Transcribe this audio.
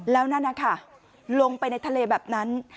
แล้วนั่นนะคะลงไปในทะเลแบบนั้น